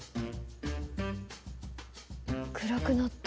暗くなった。